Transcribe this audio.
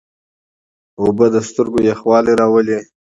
اوبه د سترګو یخوالی راولي.